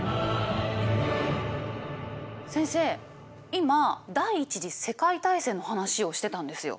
今第一次世界大戦の話をしてたんですよ。